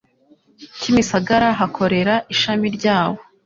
Kimisagara hakorera ishami ryabo